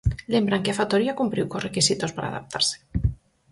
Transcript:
Lembran que a factoría cumpriu cos requisitos para adaptarse.